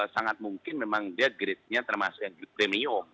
sangat mungkin memang dia gridnya termasuk yang grid premium